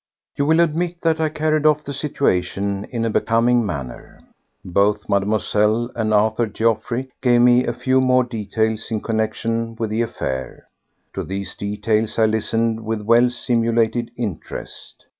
You will admit that I carried off the situation in a becoming manner. Both Mademoiselle and Arthur Geoffroy gave me a few more details in connexion with the affair. To these details I listened with well simulated interest.